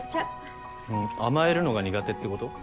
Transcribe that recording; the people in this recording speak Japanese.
甘えるのが苦手ってこと？